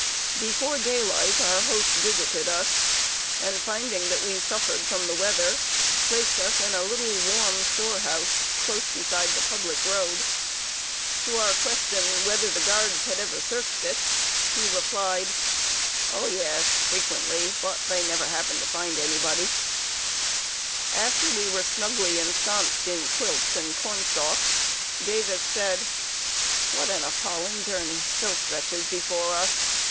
Before daylight our host visited us, and finding that we suffered from the weather, placed us in a little warm storehouse, close beside the public road. To our question, whether the Guards had ever searched it, he replied: "Oh, yes, frequently, but they never happened to find anybody." [Sidenote: AN ENERGETIC INVALID.] After we were snugly ensconced in quilts and corn stalks, Davis said: "What an appalling journey still stretches before us!